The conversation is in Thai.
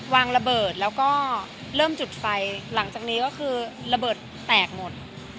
วางระเบิดแล้วก็เริ่มจุดไฟหลังจากนี้ก็คือระเบิดแตกหมด